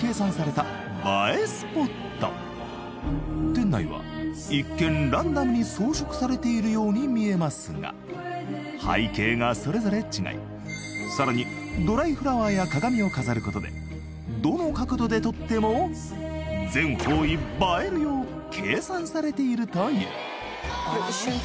店内は一見ランダムに装飾されているように見えますが背景がそれぞれ違いさらにドライフラワーや鏡を飾ることでどの角度で撮っても全方位映えるよう計算されているという一瞬これ持っててもらっていいですか？